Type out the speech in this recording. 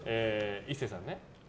壱成さんに。